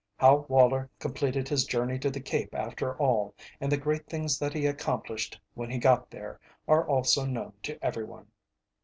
How Woller completed his journey to the Cape after all, and the great things that he accomplished when he got there, are also known to every one.